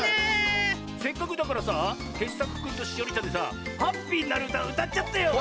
せっかくだからさ傑作くんとしおりちゃんでさハッピーになるうたうたっちゃってよ！